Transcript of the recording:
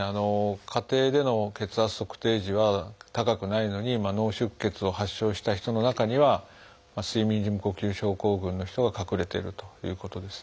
家庭での血圧測定時は高くないのに脳出血を発症した人の中には睡眠時無呼吸症候群の人が隠れているということですね。